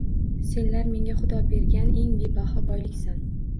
Senlar menga Xudo bergan eng bebaho boyliksan.